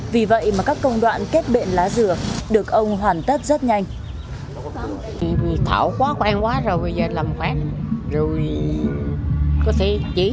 vì vậy mà các công đoạn kết bệnh lá dừa được ông hoàn tất rất nhanh